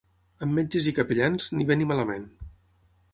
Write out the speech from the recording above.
Amb metges i capellans, ni bé ni malament.